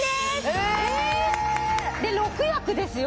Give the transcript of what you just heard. えーっ！で６役ですよ？